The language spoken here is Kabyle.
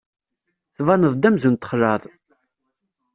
Tbaneḍ-d amzun txelɛeḍ.